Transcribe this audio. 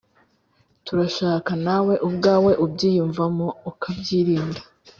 Turashaka nawe ubwawe ubyiyumvamo ukabyirinda